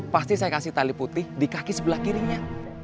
pasti saya kasih tali putih di kaki sebelah kirinya